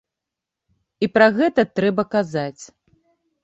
І пра гэта трэба казаць.